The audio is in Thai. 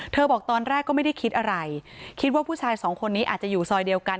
บอกตอนแรกก็ไม่ได้คิดอะไรคิดว่าผู้ชายสองคนนี้อาจจะอยู่ซอยเดียวกัน